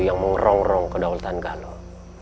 yang mengurong urong ke daulatan galuh